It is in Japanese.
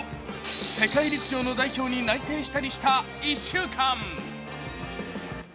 世界陸上の代表に内定したりした１週間。